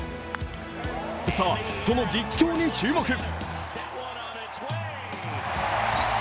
さあ、その実況に注目！